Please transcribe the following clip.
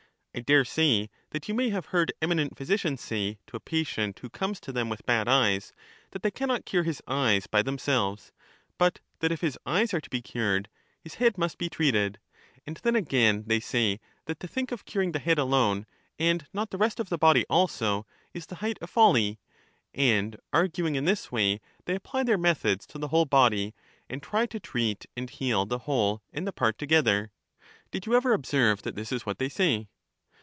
I dare say that you may have heard eminent physicians say to a patient who comes to them with bad eyes, that they can not cure his eyes by themselves, but that if his eyes are to be cured, his head must be treated; and then again they say that to think of curing the head alone, and not the rest of the body also, is the height of folly. And arguing in this way they apply their methods to the whole body, and try to treat and heal the whole and the part together. Did you ever ob serve that this is what they say?